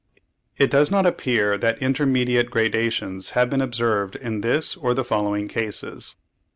It does not appear that intermediate gradations have been observed in this or the following cases.